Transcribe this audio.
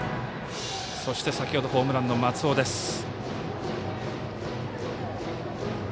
そして先ほどホームランの松尾です。